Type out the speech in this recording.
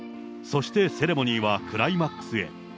そしてセレモニーはクライマックスへ。